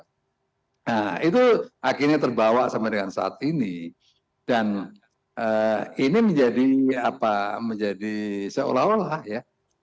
nah itu akhirnya terbawa sampai dengan saat ini dan ini menjadi apa menjadi seolah olah ya